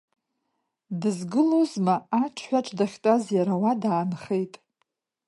Дызгылозма, аҽҳәаҿ дахьтәаз иара уа даанхеит.